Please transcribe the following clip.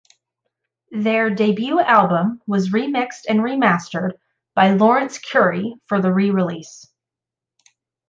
Their debut album was remixed and re-mastered by Laurence Currie for the re-release.